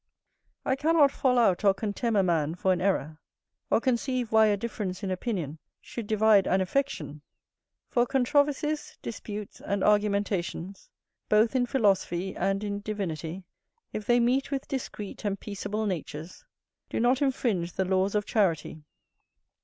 I cannot fall out or contemn a man for an error, or conceive why a difference in opinion should divide an affection; for controversies, disputes, and argumentations, both in philosophy and in divinity, if they meet with discreet and peaceable natures, do not infringe the laws of charity.